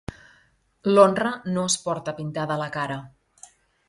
L'honra no es porta pintada a la cara